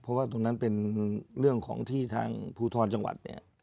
เพราะว่าตรงนั้นเป็นเรื่องของที่ทางภูทรจังหวัดเนี่ย